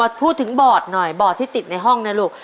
เออมาพูดถึงบอดหน่อยบอดที่ติดในห้องนะลูก